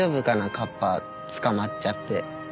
カッパ捕まっちゃって。